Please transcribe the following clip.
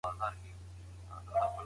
د مچانو او ډېوې یې سره څه